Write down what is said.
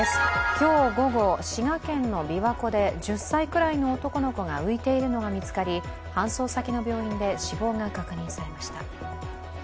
今日午後、滋賀県の琵琶湖で１０歳ぐらいの男の子が浮いているのが見つかり、搬送先の病院で死亡が確認されました。